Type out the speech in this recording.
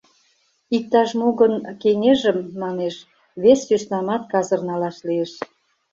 Иктаж-мо гын, кеҥежым, — манеш, — вес сӧснамат казыр налаш лиеш.